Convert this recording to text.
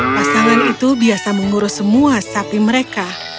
pasangan itu biasa mengurus semua sapi mereka